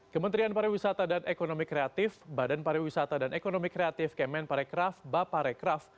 kementerian pariwisata dan ekonomi kreatif badan pariwisata dan ekonomi kreatif kemen parekraf bapak rekraf